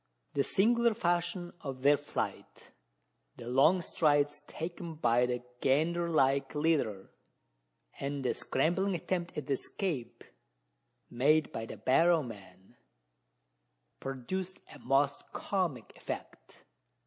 The singular fashion of their flight the long strides taken by the gander like leader, and the scrambling attempt at escape made by the barrow man produced a most comic effect.